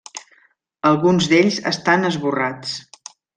Alguns d'ells estan esborrats.